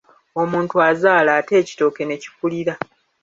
Omuntu azaala ate ekitooke ne kikulira.